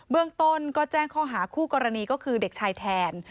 เรื่องต้นก็แจ้งข้อหาคู่กรณีก็คือเด็กชายแทน